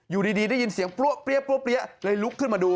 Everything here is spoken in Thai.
อยู่ดีได้ยินเสียงเปรี้ยเลยลุกขึ้นมาดู